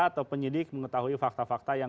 atau penyidik mengetahui fakta fakta yang